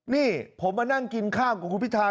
นี่ผมมานั่งกินข้าวกับคุณพิธา